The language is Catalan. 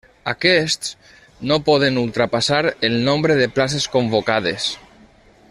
Aquests no poden ultrapassar el nombre de places convocades.